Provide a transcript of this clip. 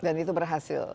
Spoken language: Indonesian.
jadi itu berhasil